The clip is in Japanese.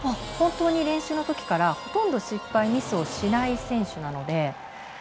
本当に練習のときからほとんどミスをしない選手なので。